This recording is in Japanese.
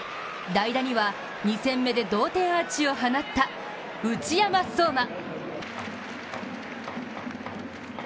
代打には２戦目で同点アーチを放った、内山壮真。